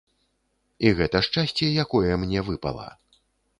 І гэта шчасце, якое мне выпала.